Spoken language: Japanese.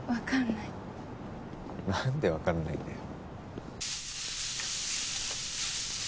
なんで分からないんだよ。